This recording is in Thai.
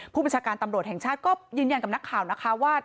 ผู้บัญชาการตำรวจแห่งชาติก็ยืนยันกับนักข่าวนะคะว่า